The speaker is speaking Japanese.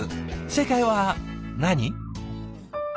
正解は何？